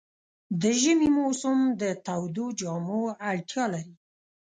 د ژمي موسم د تودو جامو اړتیا لري.